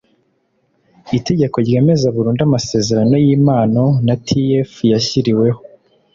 itegeko ryemeza burundu amasezerano y impano na tf yashyiriweho